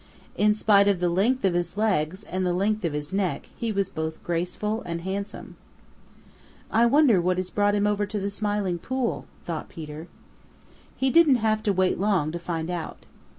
In spite of the length of his legs and the length of his neck he was both graceful and handsome. "I wonder what has brought him over to the Smiling Pool," thought Peter. He didn't have to wait long to find out.